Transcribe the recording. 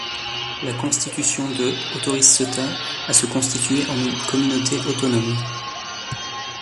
La Constitution de autorise Ceuta à se constituer en une communauté autonome.